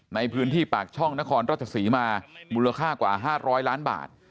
ในพื้นที่ปากช่องนครราชศรีมามูลค่ากว่า๕๐๐ล้านบาท